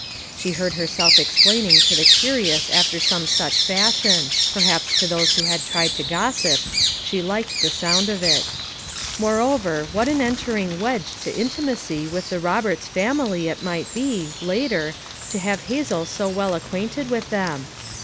She heard herself esplain 267 268 FOUR MOTHEBS AT CHAUTAUQUA ing to the curious after some such fashion; perhaps to those who had tried to gossip; she liked the sound of it. Moreover, what an en tering wedge to intimacy with the Roberts family it might be, later, to have Hazel so well acquainted with them!